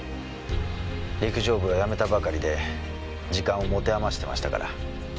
陸上部をやめたばかりで時間をもてあましてましたから。